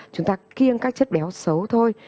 chúng ta kiêng các chất béo xấu thôi